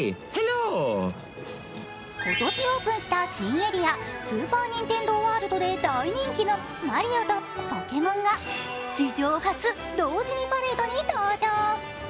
今年オープンした新エリアスーパー・ニンテンドー・ワールドで大人気のマリオとポケモンが史上初、同時にパレードに登場。